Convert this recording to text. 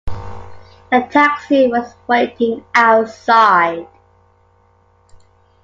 The taxi was waiting outside.